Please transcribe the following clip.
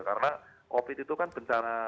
karena covid itu kan bencana